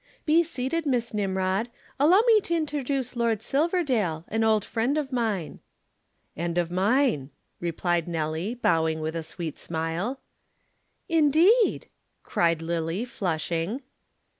"Be seated, Miss Nimrod. Allow me to introduce Lord Silverdale an old friend of mine." "And of mine," replied Nelly, bowing with a sweet smile. "Indeed!" cried Lillie flushing.